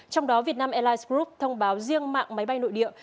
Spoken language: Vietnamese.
trong đó việt nam airlines group thông báo riêng mạng máy bay nội địa